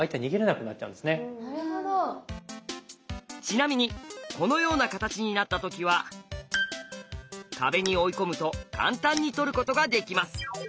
ちなみにこのような形になった時は壁に追い込むと簡単に取ることができます。